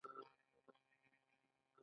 مغز د بدن ټول حرکات او احساسات کنټرولوي